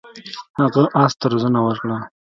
هغه اس ته روزنه ورکړه.